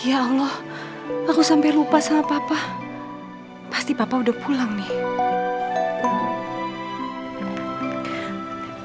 ya allah aku sampai lupa sama papa pasti papa udah pulang nih